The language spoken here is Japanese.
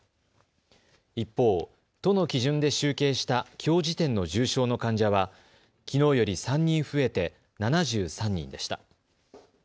一方、都の基準で集計したきょう時点の重症の患者はきのうより３人増えて７３人でした。